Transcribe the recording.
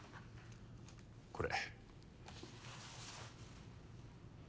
これ。